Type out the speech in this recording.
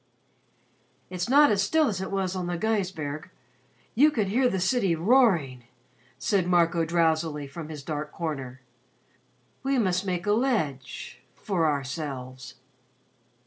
"It's not as still as it was on the Gaisberg. You can hear the city roaring," said Marco drowsily from his dark corner. "We must make a ledge for ourselves."